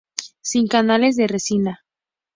Sin canales de resina.